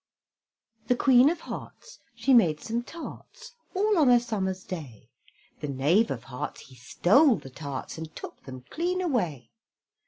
The Queen of Hearts, she made some tarts All on a summer's day; The Knave of Hearts, he stole the tarts, And took them clean away.